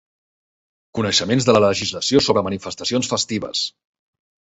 Coneixements de la legislació sobre manifestacions festives.